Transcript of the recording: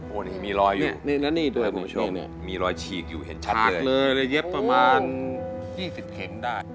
โอ้นี่มีรอยอยู่มีรอยฉีกอยู่เห็นชัดเลยแล้วเย็บประมาณ๒๐เข็งได้